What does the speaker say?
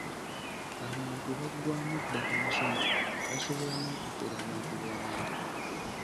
Abantu baggwaamu dda ensonyi, basobola n'okufera abantu be bamanyi.